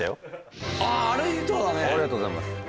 ありがとうございます